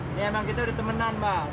ini memang kita sudah temenan mbak